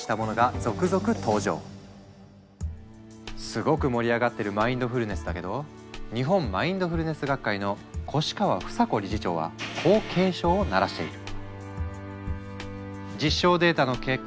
すごく盛り上がってるマインドフルネスだけど日本マインドフルネス学会の越川房子理事長はこう警鐘を鳴らしている。